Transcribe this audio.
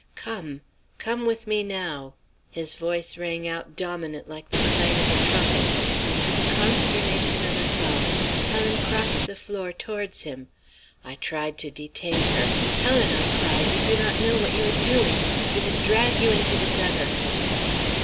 "'Come! Come with me now.' "His voice rang out dominant like the clang of a trumpet, and to the consternation of us all, Helen crossed the floor towards him. I tried to detain her. 'Helen,' I cried, 'you do not know what you are doing. He will drag you into the gutter.'